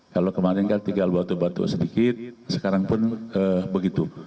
kalau kemarin kan tinggal batuk batuk sedikit sekarang pun begitu